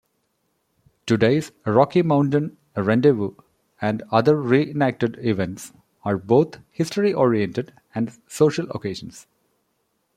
Today's Rocky Mountain Rendezvous and other reenacted events are both history-oriented and social occasions.